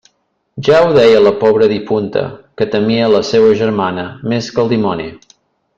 Ja ho deia la pobra difunta, que temia la seua germana més que el dimoni.